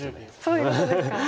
そういうことですか。